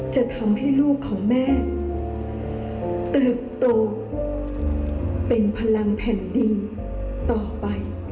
จะทำให้ลูกของแม่เติบโตเป็นพลังแผ่นดินต่อไป